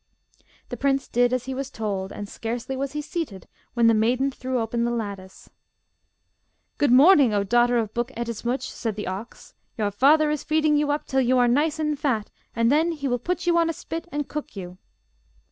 The prince did as he was told, and scarcely was he seated when the maiden threw open the lattice. 'Good morning, O daughter of Buk Ettemsuch!' said the ox. 'Your father is feeding you up till you are nice and fat, and then he will put you on a spit and cook you.